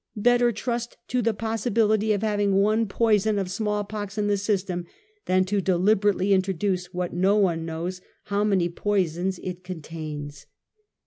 Better trust to the possibility of having one poison of small pox I in the system than to deliberately introduce what no one knows how many poisons it contains.